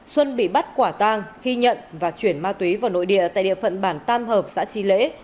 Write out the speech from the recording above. xuân bị bắt quả tang khi nhận và chuyển ma túy vào nội địa tại địa phận bản tam hợp xã tri lễ